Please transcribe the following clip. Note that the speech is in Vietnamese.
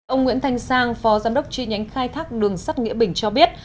ông nguyễn thành sang phó giám đốc tri nhánh khai thác đường sắt nghĩa bình cho biết